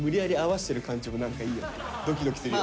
ドキドキするよね。